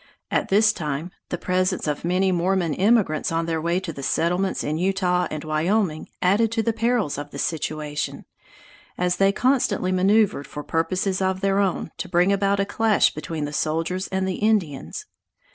At this time, the presence of many Mormon emigrants on their way to the settlements in Utah and Wyoming added to the perils of the situation, as they constantly maneuvered for purposes of their own to bring about a clash between the soldiers and the Indians.